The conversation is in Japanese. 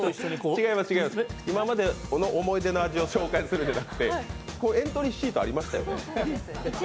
今までの思い出の味を紹介するんじゃなくてエントリーシートありましたよね？